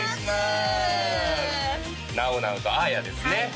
なおなおとあーやですね